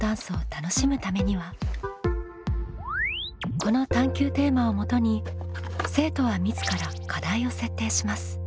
この探究テーマをもとに生徒は自ら課題を設定します。